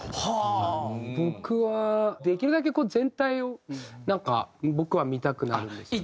僕はできるだけ全体をなんか僕は見たくなるんですよね。